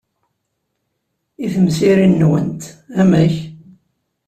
I temsirin-nwent, amek?